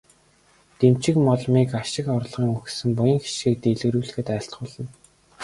Дэмчигмоломыг ашиг орлогыг өсгөн, буян хишгийг дэлгэрүүлэхэд айлтгуулна.